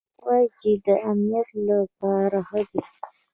وايي چې د امنيت له پاره ښه دي.